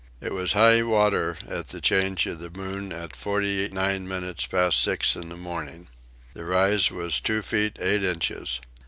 It was high water at the change of the moon at 49 minutes past six in the morning. The rise was two feet eight inches.